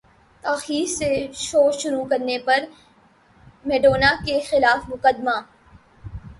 تاخیر سے شو شروع کرنے پر میڈونا کے خلاف مقدمہ